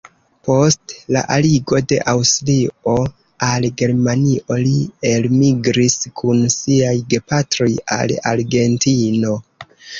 Post la aligo de Aŭstrio al Germanio li elmigris kun siaj gepatroj al Argentino.